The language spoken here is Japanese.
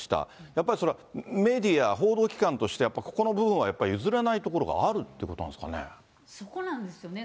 やっぱりそれは、メディア、報道機関としてここの部分はやっぱ譲れないところがあるというこそこなんですよね、